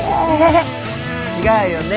違うよね？